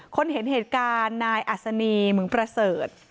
คนเห็นเหตุการณ์นายอัศนีหมึงประเสริฐ